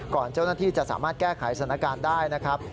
เจ้าหน้าที่จะสามารถแก้ไขสถานการณ์ได้นะครับ